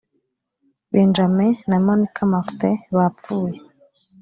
benjamin na monica martin bapfuye